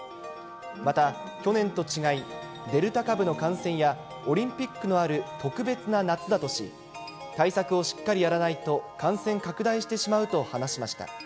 また、去年と違い、デルタ株の感染やオリンピックのある特別な夏だとし、対策をしっかりやらないと、感染拡大してしまうと話しました。